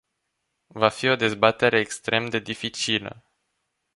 Va fi o dezbatere extrem de dificilă.